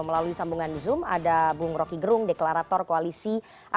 melalui sambungan zoom ada bung roky gerung deklarator koalisi aksi menyelamatkan negara